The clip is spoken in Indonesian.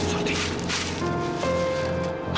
yaudah kalau gitu zairah dulu anit ma